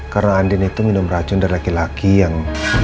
karena andien itu minum racun dari laki laki yang